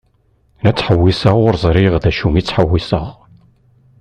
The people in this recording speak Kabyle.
La ttḥewwiseɣ ur ẓriɣ d acu i ttḥewwiseɣ.